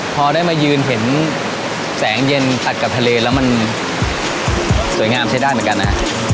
พอได้มายืนเห็นแสงเย็นตัดกับทะเลแล้วมันสวยงามใช้ได้เหมือนกันนะ